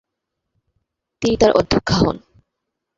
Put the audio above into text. তিনি তার অধ্যক্ষা হন।